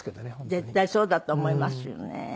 絶対そうだと思いますよね。